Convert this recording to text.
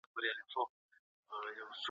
کي سته، تر اوسه په دقیقه توګه نه دی تثبیت سوی؛